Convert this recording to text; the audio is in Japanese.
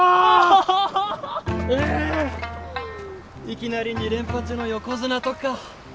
いきなり２連覇中の横綱とか。